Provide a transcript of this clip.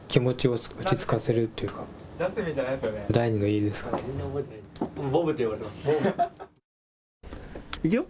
いくよ。